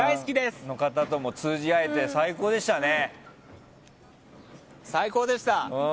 相談者の方とも通じ合えて最高でしたね。